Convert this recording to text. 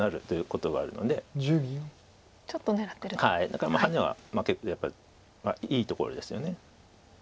だからハネは結構やっぱりいいところですよね。